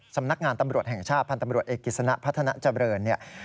สำนักงานตำรวจแห่งชาติพันธ์ตำรวจเอกกิจสนะพัฒนาเจริญเนี่ย